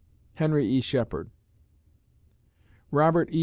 HENRY E. SHEPHERD _Robert E.